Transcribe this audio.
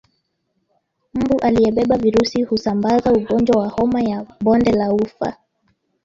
Mbu aliyebeba virusi husambaza ugonjwa wa homa ya bonde la ufa